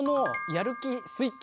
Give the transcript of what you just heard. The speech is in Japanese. やる気スイッチ？